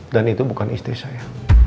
dan itu bukan istri saya